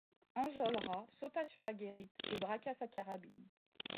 Enjolras sauta sur la guérite et braqua sa carabine.